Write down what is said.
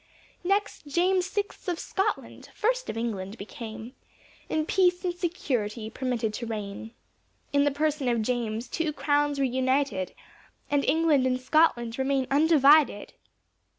Next James sixth of Scotland, first of England became In peace and security permitted to reign. In the person of James, two crowns were united, And England and Scotland remain undivided.